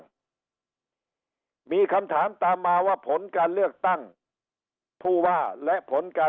มีคำถามตามมาว่าผลการเลือกตั้งผู้ว่าและผลการ